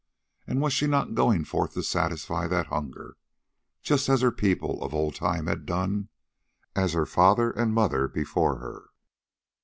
And was she not going forth to satisfy that hunger, just as her people of old time had done, as her father and mother before her?